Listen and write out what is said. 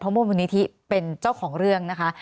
เพราะว่ามูลนิธิเป็นเจ้าของเรื่องนะคะ